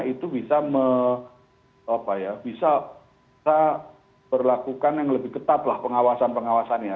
itu bisa berlakukan yang lebih ketat lah pengawasan pengawasannya